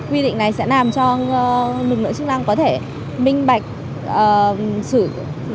quy định này sẽ làm cho lực lượng chức năng có thể minh bạch xử